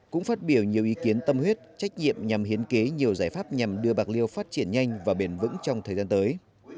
cũng phát biểu nhiều ý kiến tâm huyết trách nhiệm nhằm hiến kế nhiều giải pháp nhằm đưa bạc liêu phát triển nhanh và bền vững trong thời gian tới